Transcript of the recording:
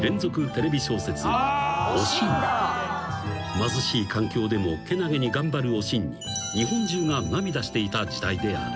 ［貧しい環境でもけなげに頑張るおしんに日本中が涙していた時代である］